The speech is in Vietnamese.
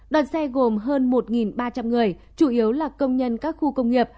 đoàn xe gồm hơn một ba trăm linh người chủ yếu là công nhân các khu công nghiệp